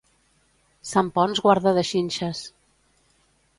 Sant Ponç guarda de xinxes.